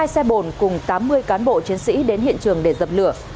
hai xe bồn cùng tám mươi cán bộ chiến sĩ đến hiện trường để dập lửa